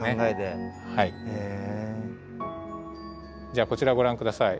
じゃあこちらご覧下さい。